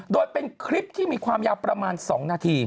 โดยเป็นคลิปที่มีความยาวประมาณ๒นาที